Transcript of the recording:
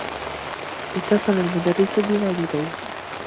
اتّصل المدرّس بوالديّ.